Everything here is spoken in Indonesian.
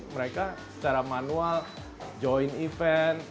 mereka secara manual join event